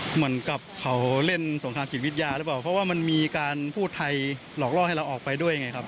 เหมือนกับเขาเล่นสงครามจิตวิทยาหรือเปล่าเพราะว่ามันมีการพูดไทยหลอกล่อให้เราออกไปด้วยไงครับ